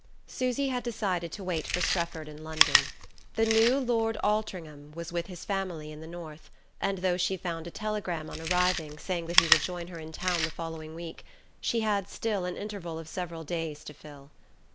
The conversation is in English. XVII. SUSY had decided to wait for Strefford in London. The new Lord Altringham was with his family in the north, and though she found a telegram on arriving, saying that he would join her in town the following week, she had still an interval of several days to fill.